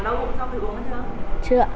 đau bụng cả